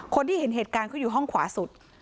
คนที่เห็นเหตุการณ์เขาอยู่ห้องขวาสุด